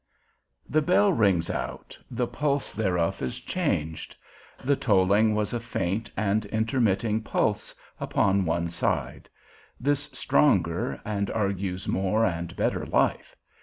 The bell rings out, the pulse thereof is changed; the tolling was a faint and intermitting pulse, upon one side; this stronger, and argues more and better life.